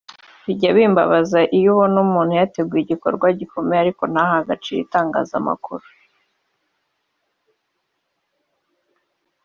Bijya bimbabaza iyo ubona umuntu yateguye igikorwa gikomeye ariko ntahe agaciro itangazamakuru